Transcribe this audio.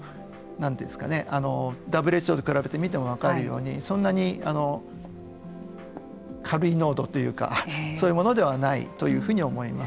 ＷＨＯと比べてみても分かるようにそんなに、軽い濃度というかそういうものではないというふうに思います。